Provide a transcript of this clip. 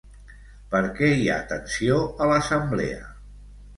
Per què hi ha tensió a l'assemblea?